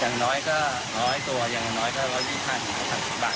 อย่างน้อยก็น้อยตัวอย่างน้อยก็๑๒๕๓๐บาท